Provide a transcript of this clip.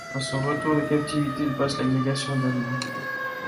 À son retour de captivité, il passe l'agrégation d'Allemand.